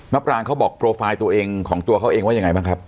ปรางเขาบอกโปรไฟล์ตัวเองของตัวเขาเองว่ายังไงบ้างครับ